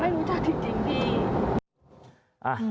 รู้จักจริงพี่